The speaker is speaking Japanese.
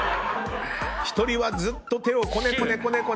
１人はずっと手をこねこね。